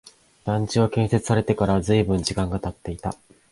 団地は建設されてから随分時間が経っていた